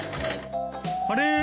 あれ？